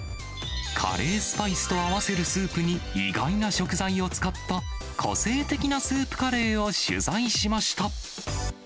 カレースパイスと合わせるスープに意外な食材を使った、個性的なスープカレーを取材しました。